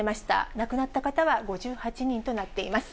亡くなった方は５８人となっています。